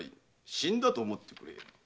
「死んだと思ってくれ。